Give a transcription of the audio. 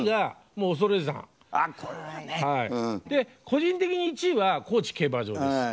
個人的に１位は「高知競馬場」です。